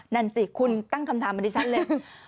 นั่นสิคุณตั้งคำถามเหมือนดิฉันเลย